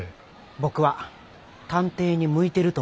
僕は探偵に向いてると思いますよ。